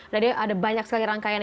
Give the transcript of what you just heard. jadi ada banyak sekali rangkaian